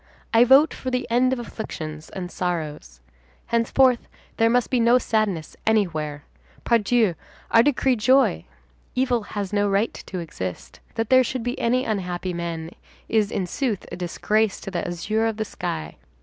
I vote for the end of afflictions and sorrows. Henceforth, there must be no sadness anywhere. Pardieu, I decree joy! Evil has no right to exist. That there should be any unhappy men is, in sooth, a disgrace to the azure of the sky.